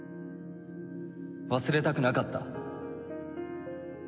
忘れたくなかった。